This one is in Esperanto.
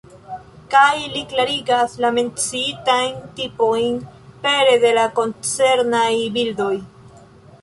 Kaj li klarigas la menciitajn tipojn pere de la koncernaj bildoj.